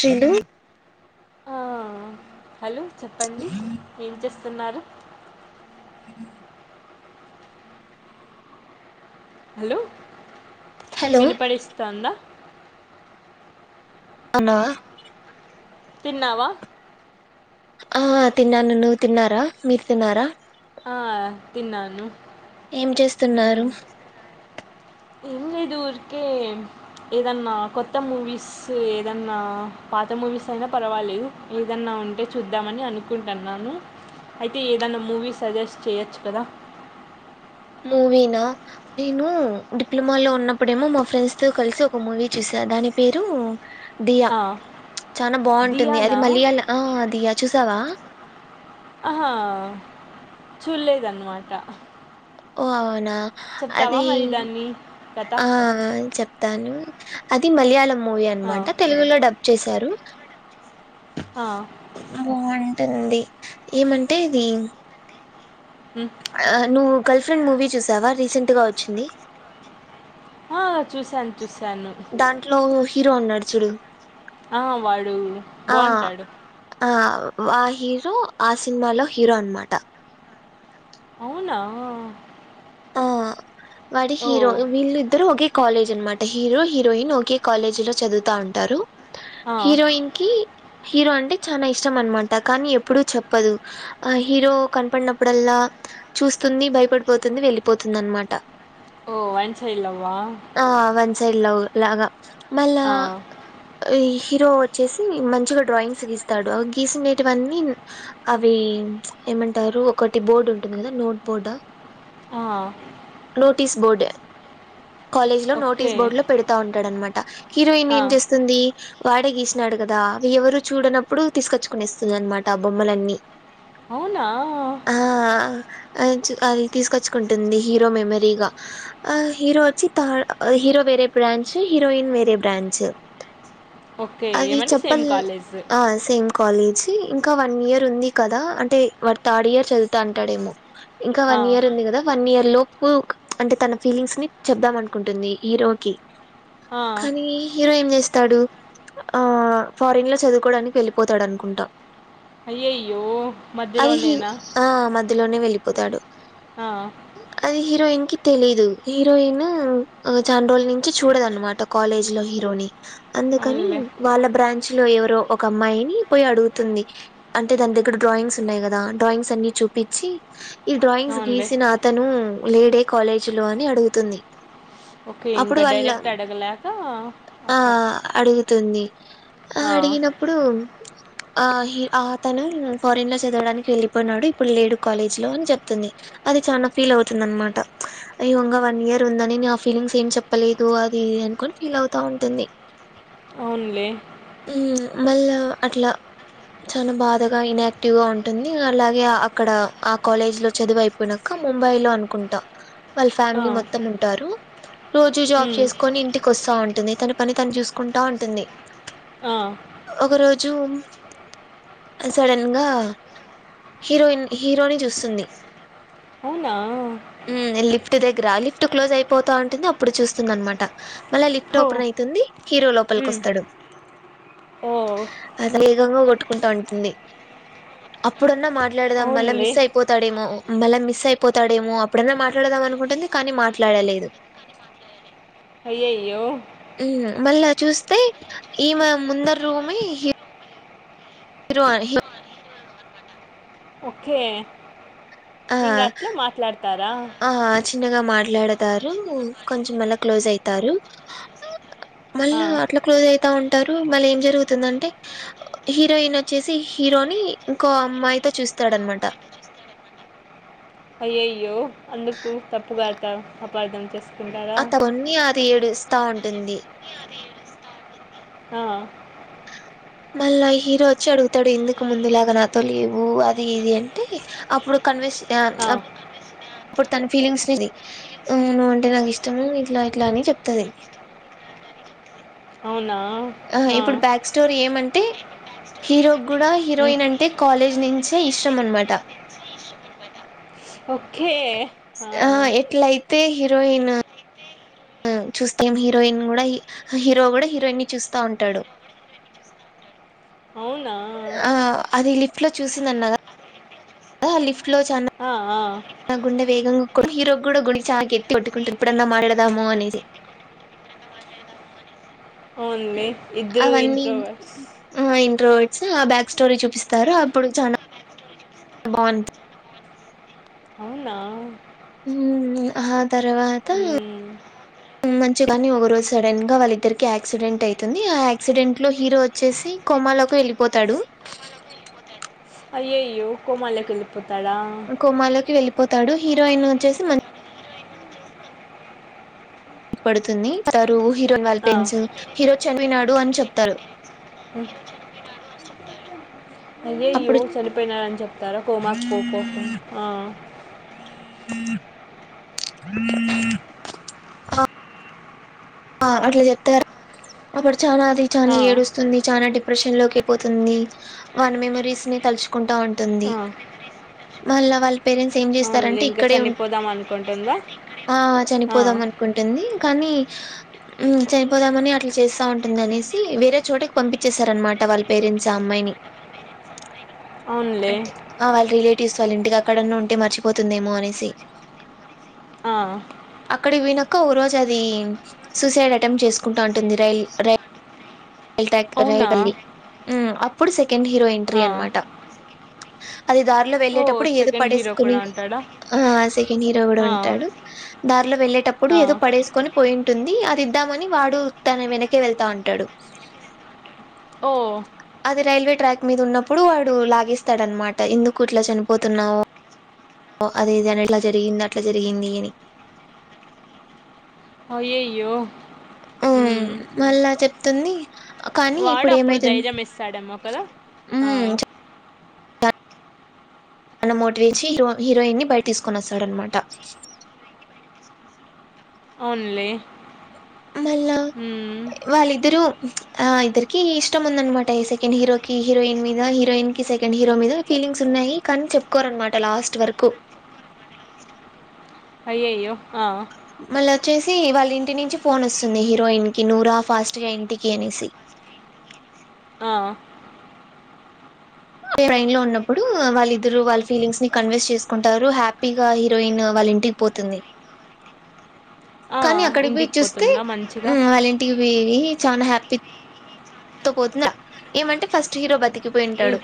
చ్చిండూ ఆ హలో చెప్పండి ఏం చేస్ తున్నారు [inaudible] హలో హలో వినిపడేస్తందా అమ్మా తిన్నావా ఆ తిన్నాను నువ్వు తిన్నారా మీరు తిన్నారా ఆ తిన్నాను ఏం చేస్తున్నారు హ్మ్. ఏం లేదు ఊరికే ఏదన్నా కొత్త మూవీస్, ఏదన్నా పాత మూవీస్ అయినా పర్వాలేదు ఏదన్నా ఉంటే చూద్దామని అనుకుంటన్నాను. అయితే ఏదన్నా మూవీ సజెస్ట్ చేయచ్చు కదా మూవీనా నేను డిప్లొమా లో ఉన్నప్పుడేమో మా ఫ్రెండ్స్ తో కలిసి ఒక మూవీ చూసా దాని పేరు దియా ఆ! చానా బాగుంటుంది అది 'దియానా' మళియాళ ఆ దియా చూస్ తవా ఆహా చూల్లేదన్నమాట ఓ అవునా అదీ దాని కథ? ఆ చెప్ దాని అది మలయాళం మూవీ ఆ! అన్నమాట, తెలుగులో డబ్ చేశారు. ఆ. తెండీ, ఏమంటే ఇది. హ్మ్. ఆ నువ్వు. గర్ల్‌ఫ్రెండ్ మూవీ చూశావా? రీసెంట్‌గా వచ్చింది. హా ఆ! చూశాను చూశాను. దాంట్లో హీరో ఉన్నాడు చూడు. ఆ, వాడు బావుంటాడు. అ హీరో ఆ సినిమాలో హీరో అనమాట. అవునా! ఆ వాడి హీరో, ఓహ్! వీళ్లిద్ ద్దరూ ఒకే కాలేజ్ అన్నమాట హీరో హీరోయిన్ ఒకే కాలేజ్ లో చదువుతా ఉంటారు ఆ! హీరోయిన్ కీ హీరో అంటే చానా ఇష్టం అన్నమాట కానీ ఎప్పుడూ చెప్పదు ఆ హీరో కనపడినప్పుడల్లా చూస్తుంది భయపడిపోతుంది వెళ్లి పోతుందన్నమాట ఓ వన్సైడ్ లవ్ సైడ్ లవ్ లాగా మళ్ళా ఈ హీరో వచ్చేసి మంచిగా డ్రాయింగ్స్ గీస్తాడు గీసినెటివన్నీ అవి ఏమంటారు ఒకటి బోర్డు ఉంటుంది కదా నోట్ బోర్డు ఆ బోర్డు కాలేజ్ లో ఓకే. నోట్స్ బోర్డు లో పెడతా ఉంటాడన్నమాట హీరోయిన్ ఆ! ఏం చేస్తుంది వాడే గీ ఉన్నడు కదా అవి ఎవరూ చూడనప్పుడు తీసుకొచ్చుకునెస్తుంది అన్నమాట ఆ బొమ్మలన్నీ అవునా ఆ ఎంచు అది తీసుకొచ్చు కుంటుంది హీరో మెమరీగా హీరో వచ్చి హీరో వేరే బ్రాంచ్ హీరోయిన్ వేరే బ్రాంచ్ ఓకే. అది ఏమంటే సేమ్ చెప్పాల్ కాలేజు. ఆ సేమ్ కాలేజ్ అంటే ఇంకా వన్ ఇయర్ ఉంది కదా అంటే వాడు థర్డ్ ఇయర్ చదువుతాటాడేమో ఇంకా ఆ! వన్ ఇయర్ ఉంది కదా వన్ ఇయర్ లోపు అంటే తన ఫీలింగ్స్ ని చెబుదాం అనుకుంటుంది హీరో కి ఆ! కానీ హీరో ఏం చేస్ తడు ఆ ఫారిన్ లో చదువుకోవడానికి వెళ్ళిపోతాడు అనుకుంటాం అయ్యయ్యో మధ్యలోనేనా లోనే వెళ్ళిపోతాడు ఆ అది హీరోయిన్ కి తెలీదు హీరోయిన్ చన రోళ నుంచి చూడదు అనమాట కాలేజ్ లో హీరోని అందుకని అవునులే. వాళ్ళ బ్రాంచ్ చ్ లో ఎవరో ఒక అమ్మాయిని పోయి అడుగుతుంది అంటే దాని దగ్గర డ్రాయింగ్స్ ఉన్నాయి కదా డ్రాయింగ్స్ అన్ని చూపించి ఈ డ్రయింగ్స్ అవునులే. గీసిన అ ఉమ్ లేడే కాలేజీ లో అని అడుగుతుంది ఓకే అప్పుడు ఇంకా వాళ్ళ డైరెక్ట్ అడగలేక ఆ అట్లా అడుగుతుంది ఆ అడిగినప్పుడు ఆ హి ఆతను ఫారెన్ లో చదవడానికి వెళ్ళిపోయినాడు, ఇప్పుడు లేడు కాలేజ్ లో అని చెప్తుంది అది చన ఫీల్ అవుతుంది అనమాట, ఈ వంగ వన్ ఇయర్ ఉందని న ఆ ఫీలింగ్స్ ఏం చెప్పలేదు, అది ఇది అనుకని ఫీల్ అవుతా ఉంటుంది. అవునులే మ్ మళ్ళా అట్లా చాలా బాధగా ఇనాక్టివ్గా ఉంటుంది, అలాగే అక్కడ ఆ కాలేజ్ లో చదువు అయిపోయినాక, ముంబై లో అనుకుంటా వాళ్ళ ఆ! ఫ్యామిలీ మొత్తం ఉంటారు. రోజు జాబ్ హ్మ్. చేసుకొని ఇంటికి వస్తా ఉ ఉంటుంది తన పని తను చూసుకుంటా ఉంటుంది ఆ ఒక రోజు సడన్ గా హీరోయిన్ హీరో ని చూస్తుంది, అవునా మ్ లిఫ్ట్ దగ్గర లిఫ్ట్ క్లోజ్ అయిపోతా ఉంటుంది అప్పుడు చూస్తుంది అనమాట మళ్ళ లిఫ్ట్ హో ఓపెన్ అయితుంది హీరో ఉమ్. లోపలికొస్తాడు ఓ అది వేగంగా కొట్టుకుంటా ఉంటుంది అప్పుడన్నా మాట్లాడదాం మళ్ళా అవునులే మిస్ అయిపోతాడేమో మళ్ళా మిస్ అయిపోతాడేమో అప్పుడన్నా మాట్లాడదాం అనుకుంటుంది కానీ మాట్లాడలేదు అయ్యయ్యో ఊమ్ మళ్ళా చూస్తే ఈమె ముందర రూమి హరు హి ఆ ఇం అట్లా మాట్లాడతారు ఆ చిన్నగా మ మాట్లాడతారు కొంచం మళ క్లోజ్ అయితారు ఆ, మళ్ళా అట్లా క్లోజ్ అయితా ఉం ఉంటారు మళ్ళీ ఏం జరుగుతుందంటే హీరోయిన్ వచ్చేసి హీరోని ఇంకో అమ్మాయితో చూస్తాడనమాట అయ్యయ్యో అందుకు తప్పుగా అత అపార్థం చేస్ అ తవన్న అది ఏడు స్తా ఉంటుంది ఆ మళ్ళా హీరో వచ్చి అడుగుతాడు ఇందుకు ముందులాగా నాతో లేవు అది ఇది అంటే అప్పుడు కన్వెస్ ఆ అప్పుడు తన ఫీలింగ్స్ నిది ఊమ్ నువు అంటే నాకు ఇష్టము ఇట్లా ఇట్లా అని చెప్తంది అవునా ఆ ఇప్పుడు బ్యాక్ స్టోరీ ఏమం టే హీరో కూడా ఉమ్, హీరోయిన్ అంటే కాలేజ్ నించే ఇష్టం అన్నమాట ఓకే ఆ ఎట్లయితే హీరోయిను ఉమ్ చూస్తాం హీరోయిన్ కూడా హీరో కూడా హీరోయిన్ ని చూస్తా ఉంటాడు అవునా ఆ అది లిఫ్ట్ లో చూసింది అన్నగా అ లిఫ్ట్ లో చన్న ఆ ఆ గుండె వేగంగా కొ హీరో కూడా గుడి చా గట్టి కొట్టుకుంటుంది ఎప్పుడన్నా మాట్లాడదాము అనేసి అనేసి ఓన్లీ ఇద్దరు ఇంట్రోవర్స్ వర్స్ ఆ బ్యాక్ స్టోరీ చూపిస్తారు అప్పుడు చానా బాగుంది అవునా ఊమ్ ఆ తర్వాత మ్మ్ ఊమ్ మంచిగాని ఒకరోజు సడన్ గా వాళ్ళిద్దరికి యాక్సిడెంట్ ఐతుంది ఆ యాక్సిడెంట్ లో హీరో వచ్చేసి కొమలోకి వెళ్ళిపోతాడు అయ్యోయ్యో కోమాలకి వెళపోతు కోమాలోకి వెళ్ళిపో పోతాడు హీరోయిన్ వచ్చేసి మం పడుతుంది తరుహి ల్ ఆ. పన్స్ హీరో చనపోనాడు అని చెప్తారు ఊహ్మ్ అయ్యయ్యో అప్పుడు చనిపోయినాడని చెప్తారా కోమాకు పోకోకూ ఆ అట్లా చెప్తారు అప్పుడు చనా అది చనా ఆ, ఏడుస్తుంది చానా డిప్రెషన్ లోకి పోతుంది, వాని మెమరీస్ ని కలుచుకుంటా ఉంటుంది, ఆ, బెదిరేసి మళ్ళా వాళ్ళ పేరెంట్స్ ఏం తలుచుకుంటానంటుంది అవునులే చేస్తారంటే ఇంకా ఇక్కడే ఉం చనిపోదాం అనుకుంటుందా ఇక్కడే ఆ ఆ, చనిపోదాం అనుకుంటుంది కానీ ఉం చనిపోదామని అట్లా చేస్తా ఉంటుంది అనేసి, వేరే చోటకి పంపించేసారనమాట వాళ్ళ పేరెంట్స్ ఆ అమ్మాయిని అవునులే అంటే ఆ వాళ్ళ రిలే తీస్ సైలెంట్ గా అక్కడన్న ఉంటే మర్చిపోతుందేమో అనేసి ఆ, అక్కడి వినక ఓ రోజు అది సూసైడ్ అటెంప్ట్ చేసుకుంటూ ఉంటుంది రైల్ రై రైల్ టాక్ అవునా [unintelligible] హ్మ్ అప్ పొడిసేయ్ సెకండ్ హీరో ఎంట్రీ ఆ, అన్నమాట అది దారిలో ఓ వెళ్లే టప్పుడు ఏదో సెకండ్ హీరో పడేసుకుని కూడా ఉంటాడా ఆ సెకండ్ హీరో కూడా ఆ ఉంటాడు దారిలో వెళ్ళేటప్పుడు ఆ ఏదో పడేసుకొని పోయింటుం అది ఇద్దామని వాడు తన వెనకే వెళ్తా ఉంటాడు ఓ అది రైల్వే ట్రాక్ మీద ఉన్నప్పుడు వాడు లాగేస్తాడనమాట ఎందుకు ఇట్లా చనిపోతున్నావు అదేది అని ఇట్లా జరిగింది అట్లా జరిగింది అని అయ్యాయో హ్మ్ మళ్ళా చెప్ తన్ని వాడు అప్పుడు ధైర్యం ఇస్తాడేమో కదా ఆ ఉమ్, తనమోటివ్ ఇచ్చి హీరోయిన్ని బయట తీసుకొని వస్తాడన్నమాట అవున్లే మళ్ళా వాళ్ళిద్దరూ ఆ ఇద్దరికి ఇష్టం ఉందనమాట సెకండ్ హీరోకి హీరోయిన్ మీద హీరోయిన్ కి సెకండ్ హీరో మీద ఫీలింగ్స్ ఉన్నాయి కానీ చెప్పుకోరనమాట లాస్ట్ వరకు అయ్యయ్యో ఆ మళ్ళీ వచ్చేసి వాళ్ళ ఇంటి నుంచి ఫోన్ వస్తుంది హీరోయిన్ కి నువ్వు రా ఫాస్ట్ గా ఇంటికి అనేసి ఆ ట్రైన్ లో ఉన్నప్పుడు వాళ్ళ ఇద్దరు వాళ్ళ ఫీలింగ్స్ ని కన్వే చేసుకుంటారు హ్యాపీగా హీరోయిన్ వాళ్ళ ఇంటికి పోతుంది. ఆ! కానీ అక్కడికి బెయ్ ఇంటికి చూస్తే పోతుందా మంచిగా? హ్మ్ వాళ్ళ ఇంటికి బేయి చానా హ్యాపీ తో పోతుందా ఏమంటే ఫస్ట్ హీరో బతి చుపోయింటాడు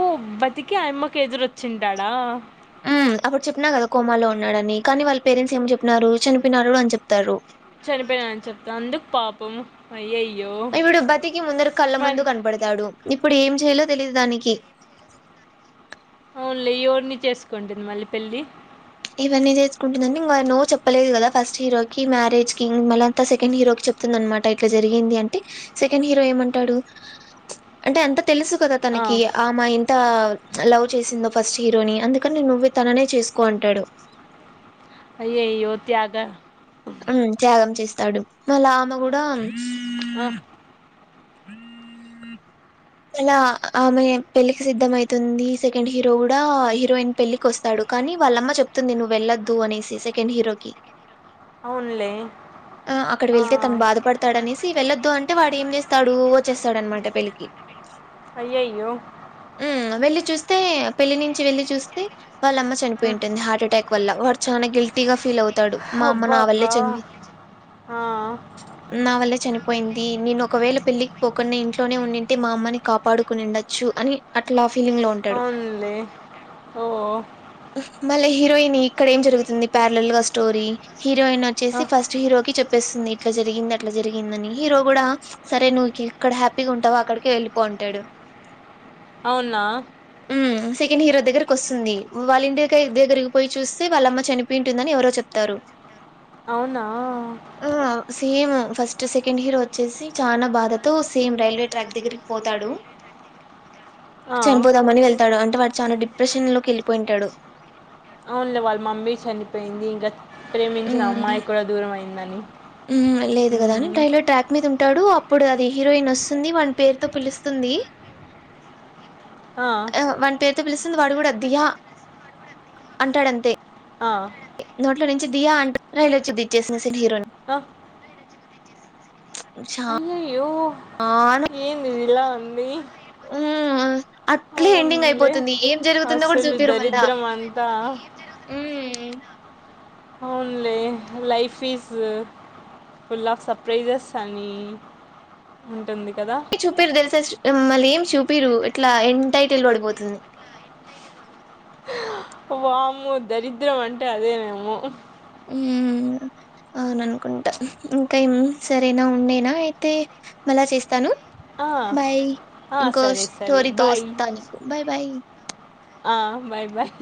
ఊ బతికె ఆ యమ్మకి కి ఎదురుచ్చింటాడా హ్మ్ అప్పుడు చెప్పిన కదా కోమాలో ఉన్నాడని కానీ వాళ్ళ పేరెంట్స్ ఏం చెప్పినారు చనిపోనాడు అని చెప్తారు చనిపోయిన అని చెప్తా అందుకు పాపం అయ్యయ్యో! ఇవుడు బతికి ముందర కళ్ళ మరి ముందు కనపడతాడు. ఇప్పుడు ఏం చేయాలో తెలిదు దానికి ఓన్లీ ఎవరిని చేసుకుంటుంది మళ్ళీ పెళ్ళి ఇవన్నీ చేసుకుంటుందండి ఇ నువ్ చెప్పలేదు కదా ఫస్ట్ హీరో కి మ్యారేజ్ కి మళ్ళీ అంతా సెకండ్ హీరో క చెప్తుంది అనమాట ఇట్లా జరిగింది అంటే సెకండ్ హీరో ఏమంటాడు అంటే అంత తెలుసు కదా తనకి ఆ మా ఇంత లవ్ చేసిందో ఫస్ట్ హీరోని అందుకని నువ్వే తననే చేసుకోంటాడు అయ్యయ్యో త్యాగ ఆ త్యాగం చేస్తాడు మళ్ళా ఆమ కూడా ఆ! [inaudible] ఏలా ఆమె పెళ్ళికి సిద్ధ అయితుంది సెకండ్ హీరో కూడా హీరోయిన్ పెళ్ళికి వస్తాడు కానీ వాళ్ళమ్మ చెప్తుంది నువ్వు వెళ్లొద్దు అనేసి సెకండ్ హీరోకి ఓన్లీ ఆ అక్కడ వెళ్తే తను బాధపడతాడనేసి వెళ్ళొద్దు అంటే వాడు ఏం చేస్తాడు వచ్చేస్తాడనమాట పెళ్లికి హయ్యయ్యో హమ్ వెళ్ళలి చూస్తే పెళ్లి నుంచి వెళ్లి చూస్తే వాళ్ళమ్మ చనిపోయి ఉం. ఉంటుంది హార్ట్ అటాక్ వల్ల వాడు చాలా గిల్టీగా ఫీల్ అవుతాడు మా అమ్మ నా వల్లే అబ్బాబా చనిపి హా నా వల్లే చనిపోయింది నేను ఒకవేళ పెళ్లికి పోకుండా ఇంట్లోనే ఉండింటే మా అమ్మ కాపాడుకునిండొచ్చు అని అట్లా ఫీలింగ్ లో ఉంటాడు అవునులే ఓ మళ్ళీ హీరోయిన్ ఇక్కడ ఏం జరుగుతుంది ప్యలల్ గా స్టోరీ ఆ. హీరోయిన్ వచ్చేసి ఫస్ట్ హీరోకి చేప్ చెప్పేస్తుంది ఇట్లా జరిగింది అట్లా జరిగింది అని హీరో కూడా సరే నువ్ ఇక్కడ హ్యాపీగా ఉంటావు అక్కడికి వెళ్ళి పో అంటాడు అవునా సెకండ్ హీరో దగ్గరకి వస్తుంది వాళ్ళ ఇంటి దగ్గరికి పోయి చూస్తే వాళ్ళమ్మ చనిపోయింటుందని ఎవరో చెప్తారు అవునా ఆ సేమ్ ఫస్ట్ సెకండ్ హీరో వచ్చేసి చానా బాధతో సేమ్ రైల్వే ట్రాక్ దగ్గర పోతాడు ఆ చనిపోదామని వెళ్తాడు అం వాడు చనా డిప్రెషన్ లోకి వెళ్ళిపోయింటాడు అవున్లే వాళ్ళ మమ్మీ చనిపోయింది ఇంకా ప్రేమించిన అమ్మాయి కూడా దూరం అయ్ ఉన్నాని ఉమ్ లేదు కదా అని రైవే ట్రాక్ మీద ఉంటాడు అప్పుడు అది హీరోయిన్ వస్తుంది వాని పేరుతో పిలుస్తుంది ఆ వన్ పేరు తో పిలుస్తుంది వాడు కూడా దియా అంటాడు అంతే ఆ నోట్లో నుంచి దియా అంటూ రైలు వచ్చి దిచ్చేస్తుంది హీరోని ఆ. చా అయ్యయ్యో ఆను ఏంది ఇది ఇలా ఉంది ఉ అట్లే ఎండింగ్ అవునులే అయిపోతుంది ఏం జరుగుతుందో కూడా అసలు చూపిరు మళ్ళా దరిద్రం అంతా అవున్లే life is full of surprises అని ఉం చూపిర్ తెల్సా సి హుమ్ మళ్ళీ ఏం చూపిరు ఇట్లా ఎన్డ్ టైటిల్ పడిపోతుంది వామో దరిద్రం అంటే అదేనేమో హుమ్ అవుననుకుంటా ఇంకా ఏం సరేనా ఉండేనా అయితే మళ్ళా చేస్తాను ఆ, బాయ్ ఆ, ఇంకో సరే సరే స్టోరీతో వస్తా నీకు బాయ్ బాయ్ ఆ బాయ్ బాయ్